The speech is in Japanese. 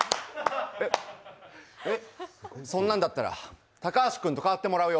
そんなんだったらタカハシ君と変わってもらうよ。